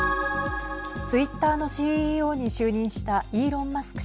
ツイッターのＣＥＯに就任したイーロン・マスク